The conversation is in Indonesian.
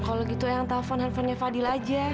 kalau gitu ayang telfon handphonenya fadil aja